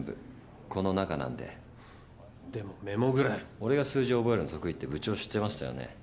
俺が数字覚えるの得意って部長知ってましたよね？